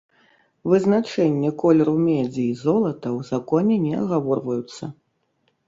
Вызначэнне колеру медзі і золата ў законе не агаворваюцца.